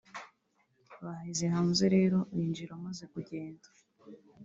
baheze hanze rero binjira amaze kugenda